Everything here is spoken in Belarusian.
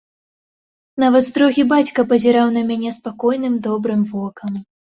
Нават строгі бацька пазіраў на мяне спакойным добрым вокам.